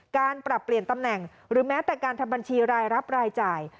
การปรับเปลี่ยนตำแหน่งหรือแม้แต่การทำบัญชีรายรับรายจ่าย